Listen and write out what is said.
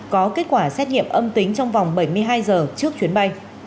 có kết quả xét nghiệm âm tính trong vòng bảy mươi hai giờ trước chuyến bay